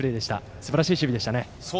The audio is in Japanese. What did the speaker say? すばらしい守備でしたね。